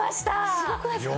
すごくないですか。